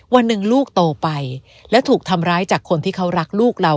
วันหนึ่งลูกโตไปและถูกทำร้ายจากคนที่เขารักลูกเรา